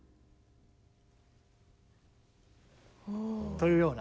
というような。